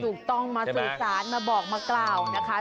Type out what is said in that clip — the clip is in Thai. ถูกต้องมาสื่อสารมาบอกมากล่าวนะคะ